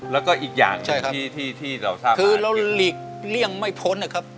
แล้วก็อีกอย่างหนึ่งที่ที่เราทำคือเราหลีกเลี่ยงไม่พ้นนะครับ